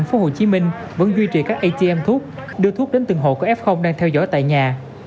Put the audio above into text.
tp hcm vẫn duy trì các atm thuốc đưa thuốc đến từng hộ có f đang theo dõi tại nhà